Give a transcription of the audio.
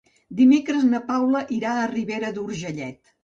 Dimecres na Paula irà a Ribera d'Urgellet.